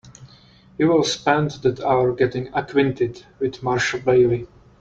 You will spend that hour getting acquainted with Marshall Bailey.